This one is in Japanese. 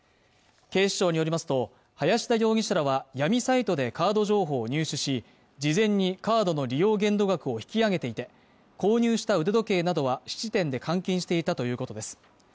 警視庁によりますと林田容疑者らは闇サイトでカード情報を入手し事前にカードの利用限度額を引き上げていて購入した腕時計などは質店で換金していたということです